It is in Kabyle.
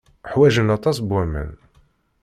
Ḥwajen aṭas n waman.